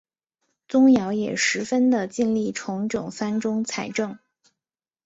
宗尧也十分的尽力重整藩中财政。